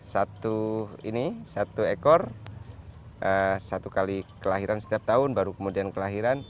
satu ini satu ekor satu kali kelahiran setiap tahun baru kemudian kelahiran